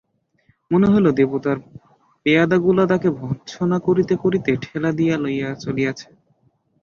মনে হইল, দেবতার পেয়াদাগুলা তাকে ভর্ৎসনা করিতে করিতে ঠেলা দিয়া লইয়া চলিয়াছে।